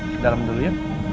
di dalam dulu yuk